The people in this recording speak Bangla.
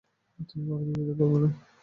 তুমি বাড়িতে যেতে পারবে না।